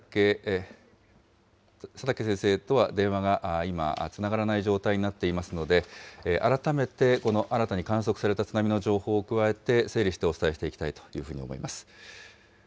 佐竹先生とは電話が今、つながらない状態になっていますので、改めて、新たに観測された津波の情報を加えて、整理してお伝えしていきたいというふうに思います。